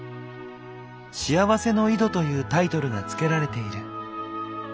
「幸せの井戸」というタイトルが付けられている。